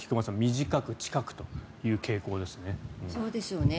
短く近くという傾向ですね。